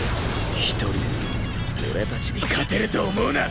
一人で俺たちに勝てると思うな！